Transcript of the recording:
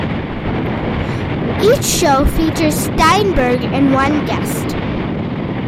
Each show features Steinberg and one guest.